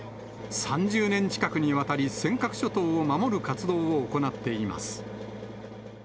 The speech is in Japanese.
３０年近くにわたり、尖閣諸島を守る活動を行っています。